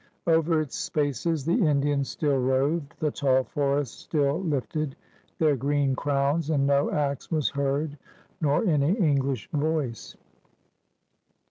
Over its spaces the Indian still roved, the tall forests still lifted their green crowns, and no axe was heard nor any English voice.